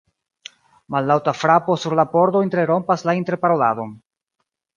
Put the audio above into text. Mallaŭta frapo sur la pordo interrompas la interparoladon.